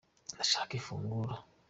Ndashaka ifunguro.